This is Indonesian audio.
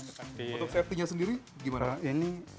untuk safety nya sendiri gimana